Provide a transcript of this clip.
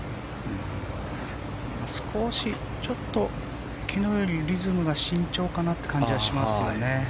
ちょっと昨日よりリズムが慎重かなという気はしますよね。